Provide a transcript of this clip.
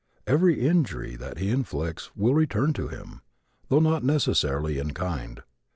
Every injury that he inflicts will return to him, though not necessarily in kind.